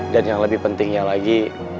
dan yang lebih pentingnya lagi